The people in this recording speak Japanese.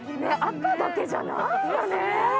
赤だけじゃないんだね。